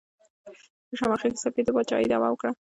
په شماخي کې سفیر د پاچاهۍ دعوه وکړه.